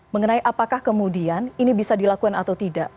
mengenai apakah kemudian ini bisa dilakukan atau tidak